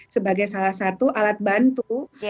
sebagai salah satu alat bantu